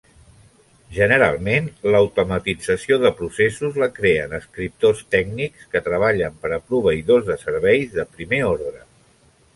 Generalment, l'automatització de processos la creen escriptors tècnics que treballen per a proveïdors de serveis de primer ordre.